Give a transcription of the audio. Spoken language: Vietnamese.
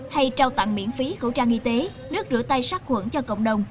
hay trao tặng miễn phí khẩu trang y tế nước rửa tay sát khuẩn cho cộng đồng